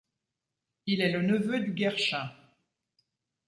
Il est le neveu du Guerchin.